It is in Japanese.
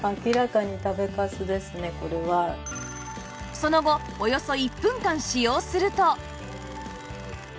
その後およそ１分間使用すると